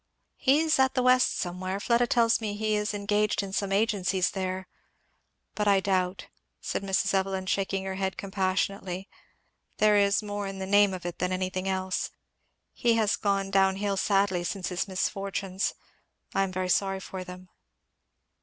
"He is at the West somewhere Fleda tells me he is engaged in some agencies there; but I doubt," said Mrs. Evelyn shaking her head compassionately, "there is more in the name of it than anything else. He has gone down hill sadly since his misfortunes. I am very sorry for them."